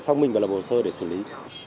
xong mình và lập hồ sơ để xử lý